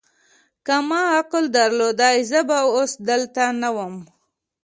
که ما عقل درلودای، زه به اوس دلته نه ووم.